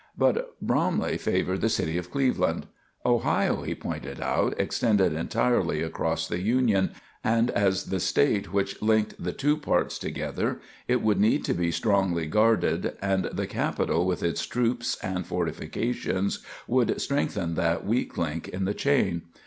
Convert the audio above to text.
But Bromley favored the city of Cleveland. Ohio, he pointed out, extended entirely across the Union, and, as the State which linked the two parts together, it would need to be strongly guarded, and the capital with its troops and fortifications would strengthen that weak link in the chain.